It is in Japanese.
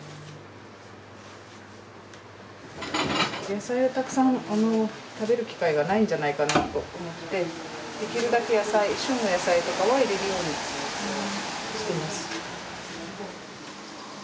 野菜をたくさん食べる機会がないんじゃないかなと思ってできるだけ野菜旬の野菜とかは入れるようにしています。